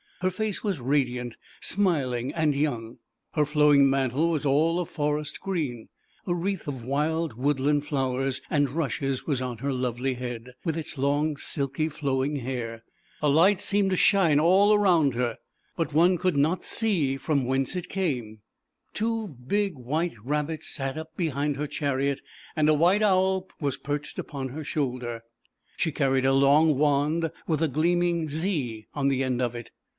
Her face was radiant, smiling and young. Her flowing mantle was all of forest green. A wreath of wild wood land flowers and rushes was on her lovely head, with its long silky flowing hair. A light, seemed to shine all around her butSsHix^ould not TO] m ZAUBERLINDA, THE WISE WITCH. H^. r hence it came. I'A> \ ake Two big white Rab her Chariot and a hite Owl was perched upon her shoul She carried a long wand with a A r earning "Z' on the end of it.